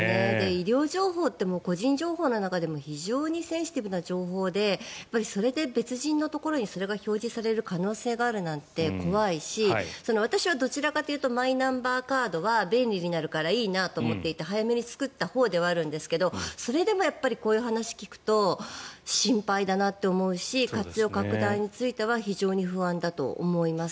医療情報って個人情報の中でも非常にセンシティブな情報でそれで別人のところにそれが表示される可能性があるなんて怖いし私はどちらかというとマイナンバーカードは便利になるからいいなと思って早めに作ったほうではあるんですがそれでもやっぱりこういう話を聞くと心配だなって思うし活用拡大については非常に不安だと思います。